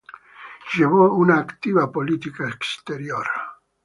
Llevó una activa política exterior.